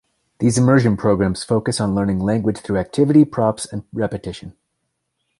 These immersion programs focus on learning language through activity, props and repetition.